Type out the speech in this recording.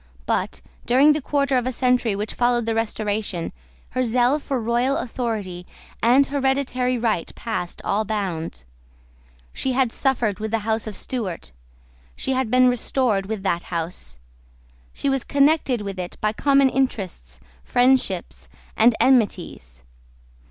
But, during the quarter of a century which followed the Restoration, her zeal for royal authority and hereditary right passed all bounds. She had suffered with the House of Stuart. She had been restored with that House. She was connected with it by common interests, friendships, and enmities.